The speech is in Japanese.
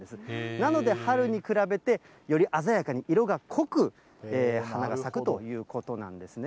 なので、春に比べて、より鮮やかに色が濃く、花が咲くということなんですね。